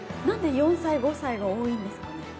何で４歳５歳が多いんですかね？